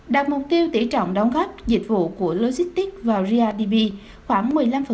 đạt mục tiêu tỉ trọng đóng góp dịch vụ của logistics vào ria db khoảng một mươi năm